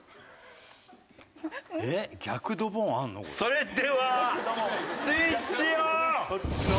それではスイッチオン！